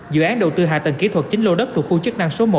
dự án đầu tư hạ tầng kỹ thuật chín lô đất thuộc khu chức năng số một